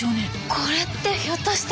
これってひょっとして。